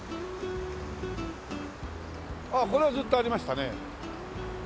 あっこれはずっとありましたね。